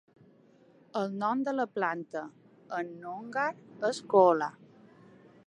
El nom de la planta en noongar és koolah.